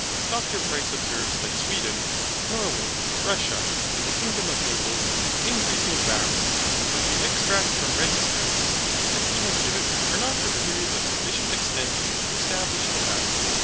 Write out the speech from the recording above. Dr Price observes that Sweden, Norway, Russia, and the kingdom of Naples, are increasing fast; but the extracts from registers that he has given are not for periods of sufficient extent to establish the fact.